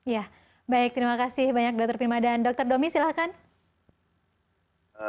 ya baik terima kasih banyak dokter prima dan dr domi silahkan